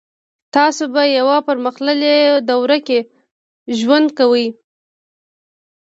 تاسو په یوه پرمختللې دوره کې ژوند کوئ